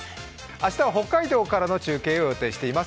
明日は北海道からの中継を予定しております。